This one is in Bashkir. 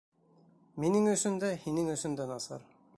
Минең өсөн дә, һинең өсөн дә насар.